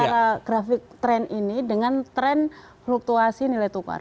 jadi kita lihat grafik tren ini dengan tren fluktuasi nilai tukar